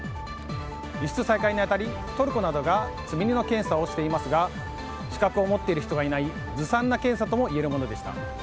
輸出再開に当たり、トルコなどが積み荷の検査をしていますが資格を持っている人はいないずさんな検査といえるものでした。